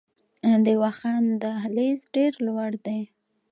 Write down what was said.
د واخان دهلیز ډیر لوړ دی